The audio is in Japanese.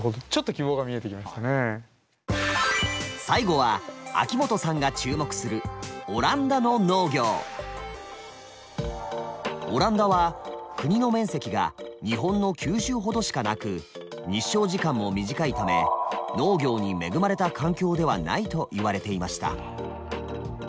最後は秋元さんが注目するオランダは国の面積が日本の九州ほどしかなく日照時間も短いため農業に恵まれた環境ではないといわれていました。